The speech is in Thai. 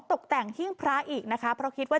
ตกแต่งหิ้งพระอีกนะคะเพราะคิดว่า